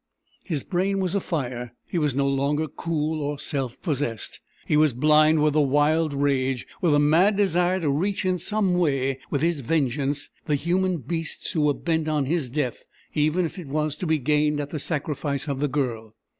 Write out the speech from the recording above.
His brain was afire. He was no longer cool or self possessed. He was blind with a wild rage, with a mad desire to reach in some way, with his vengeance, the human beasts who were bent on his death even if it was to be gained at the sacrifice of the Girl.